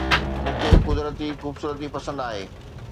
مون کي قدرتي خوبصورتي پسند آهي